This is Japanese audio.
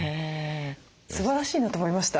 すばらしいなと思いました。